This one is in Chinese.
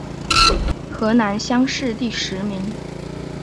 河南乡试第十名。